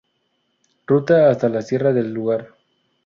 Ruta hasta la Sierra del Lugar.